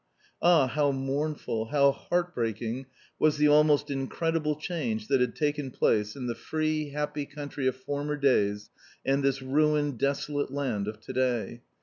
Ah, how mournful, how heart breaking was the almost incredible change that had taken place in the free, happy country of former days and this ruined desolate land of to day.